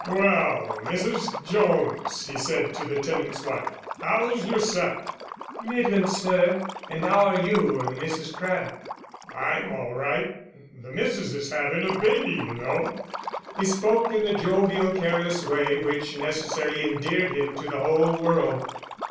"Well, Mrs. Jones," he said to the tenant's wife. "How's yourself?" "Middlin', sir. And 'ow are you and Mrs. Craddock?" "I'm all right the Missus is having a baby, you know." He spoke in the jovial, careless way which necessarily endeared him to the whole world.